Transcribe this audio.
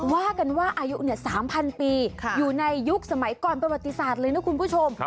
ว่ากันว่าอายุ๓๐๐ปีอยู่ในยุคสมัยก่อนประวัติศาสตร์เลยนะคุณผู้ชม